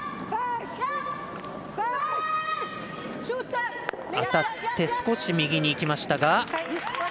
当たって、少し右にいきましたが。